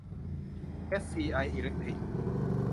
เอสซีไอ อีเลคตริค